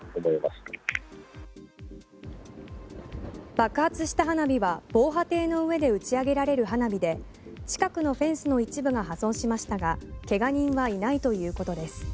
爆発した花火は防波堤の上で打ち上げられる花火で近くのフェンスの一部が破損しましたがけが人はいないということです。